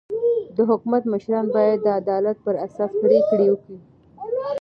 د حکومت مشران باید د عدالت پر اساس پرېکړي وکي.